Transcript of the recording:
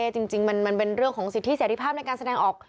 จริงมันเป็นเรื่องของสิทธิเสร็จภาพในการแสดงออก